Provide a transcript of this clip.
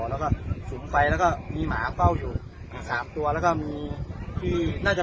แล้วก็สุมไฟแล้วก็มีหมาเฝ้าอยู่สามตัวแล้วก็มีที่น่าจะ